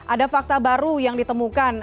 ada fakta baru yang ditemukan